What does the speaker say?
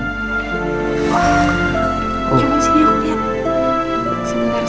cuman sini liat